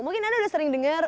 mungkin anda udah sering dengar